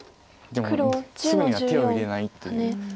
でもすぐには手を入れないという。